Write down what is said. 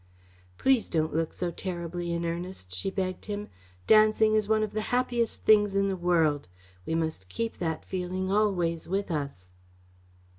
"Please don't look so terribly in earnest," she begged him. "Dancing is one of the happiest things in the world. We must keep that feeling always with us."